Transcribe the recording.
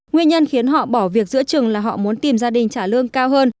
nguyên nhân khiến họ bỏ việc giữa trường là họ muốn tìm gia đình trả lương cao hơn